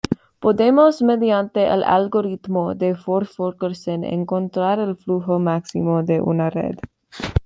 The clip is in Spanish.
Podemos, mediante el Algoritmo de Ford-Fulkerson, encontrar el flujo máximo de una red.